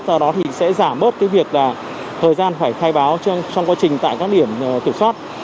do đó thì sẽ giảm bớt cái việc là thời gian phải khai báo trong quá trình tại các điểm kiểm soát